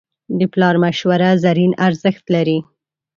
د پلار مشوره زرین ارزښت لري.